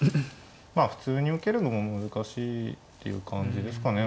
まあ普通に受けるのも難しいっていう感じですかね。